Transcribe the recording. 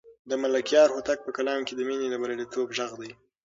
د ملکیار هوتک په کلام کې د مینې د بریالیتوب غږ دی.